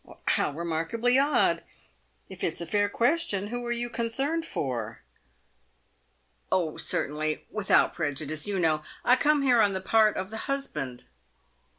" How remarkably odd ! If it's a fair question, who are you concerned for ?"" Oh, certainly — without prejudice, you know ! I come here on, the part of the husband."